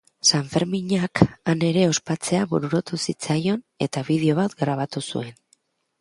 Sanferminak han ere ospatzea bururatu zitzaion eta bideo bat grabatu zuen.